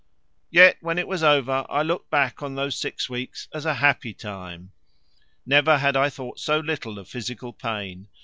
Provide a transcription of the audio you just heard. Yet when it was over I looked back on those six weeks as a happy time! Never had I thought so little of physical pain.